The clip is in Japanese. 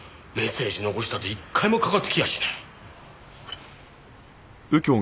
メッセージ残したって１回もかかってきやしない。